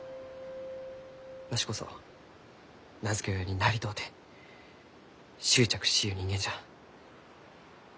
わしこそ名付け親になりとうて執着しゆう人間じゃ。